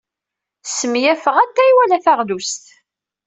Smeyafeɣ atay wala taɣlust.